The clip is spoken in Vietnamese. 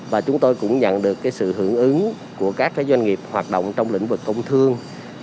và chúng tôi cũng nhận được sự hưởng ứng của các doanh nghiệp hoạt động trong lĩnh vực công thương